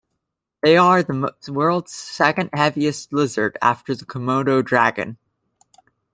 They are the world's second-heaviest lizard, after the Komodo dragon.